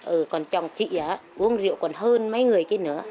ừ còn chồng chị á uống rượu còn hơn mấy người kia nữa